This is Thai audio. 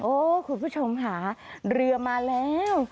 โอ้คุณผู้ชมหาเรือมาแล้ว